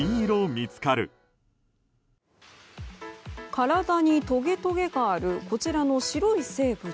体にとげとげがあるこちらの白い生物。